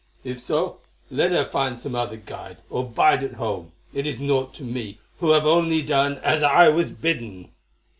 If so, let her find some other guide, or bide at home. It is naught to me, who have only done as I was bidden."